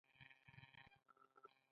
سترګې د نړۍ ښکلا ویني.